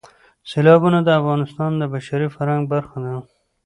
سیلابونه د افغانستان د بشري فرهنګ برخه ده.